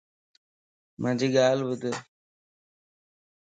مانجي ڳالهه ٻڌ